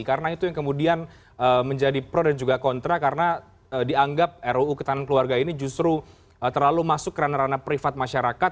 karena itu yang kemudian menjadi pro dan juga kontra karena dianggap ruu ketahanan keluarga ini justru terlalu masuk kerana rana privat masyarakat